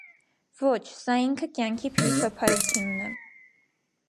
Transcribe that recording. ոչ, սա ինքը կյանքի փիլիսոփայությունն է: